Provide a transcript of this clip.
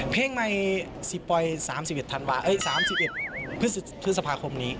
เพลงใหม่สิบป่อย๓๑พฤษภาคมนี้